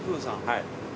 はい。